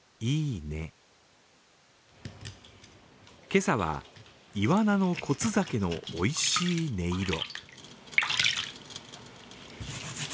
今朝は、イワナの骨酒のおいしい音色。